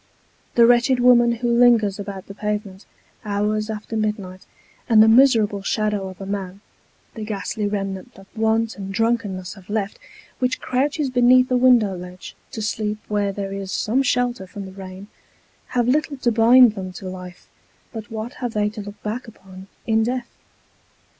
The wretched woman who lingers about the pavement, hours after midnight, and the miserable shadow of a man the ghastly remnant that want and drunkenness have left which crouches beneath a window ledge, to sleep where there is some shelter from the rain have little to bind them to life, but what have they to look back upon, in death?